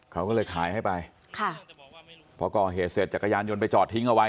เขาก็เลยขายให้ไปค่ะพอก่อเหตุเสร็จจักรยานยนต์ไปจอดทิ้งเอาไว้